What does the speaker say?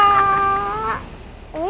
itu untuk apa